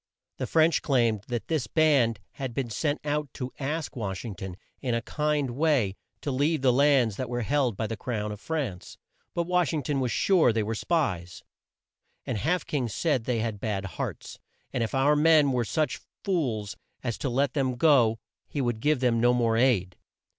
The French claimed that this band had been sent out to ask Wash ing ton, in a kind way, to leave the lands that were held by the crown of France. But Wash ing ton was sure they were spies; and Half King said they had bad hearts, and if our men were such fools as to let them go, he would give them no more aid.